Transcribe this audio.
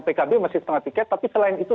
pkb masih setengah tiket tapi selain itu